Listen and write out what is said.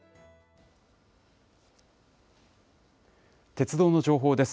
鉄道の情報です。